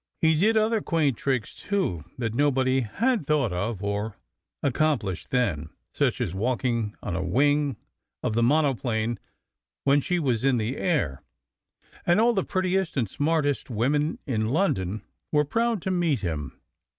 He did other quaint tricks, too, that nobody had thought of or accomplished then, such as walking on a wing of the monoplane when she was in the air; and all the prettiest and smartest women in London were proud to meet him.